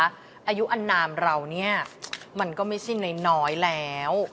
อายุอนามเราเนี่ยมันก็ไม่ใช่น้อยแล้ว